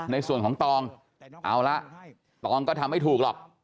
ในส่วนของตองเอาละตองก็ทำไม่ถูกหรอก